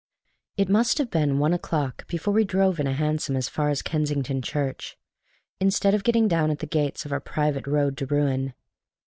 It must have been one o'clock before we drove in a hansom as far as Kensington Church, instead of getting down at the gates of our private road to ruin.